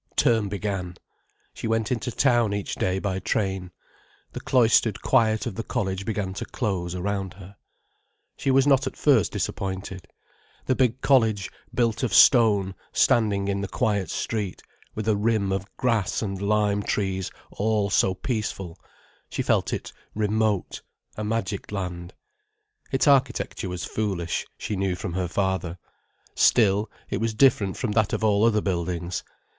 Term began. She went into town each day by train. The cloistered quiet of the college began to close around her. She was not at first disappointed. The big college built of stone, standing in the quiet street, with a rim of grass and lime trees all so peaceful: she felt it remote, a magic land. Its architecture was foolish, she knew from her father. Still, it was different from that of all other buildings.